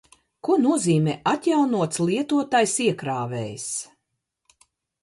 Ko nozīmē atjaunots lietotais iekrāvējs?